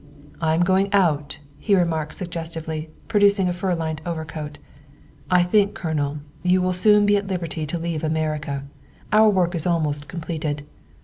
" I am going out," he remarked suggestively, pro ducing a fur lined overcoat. " I think, Colonel, you will soon be at liberty to leave America. Our work is almost completed.